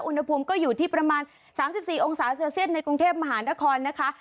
อุณหภูมิก็อยู่ที่ประมาณ๓๔องศาเซลเซียตในกรุงเทพมหานครนะคะ